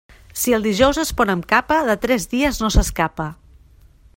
Si el dijous es pon amb capa, de tres dies no s'escapa.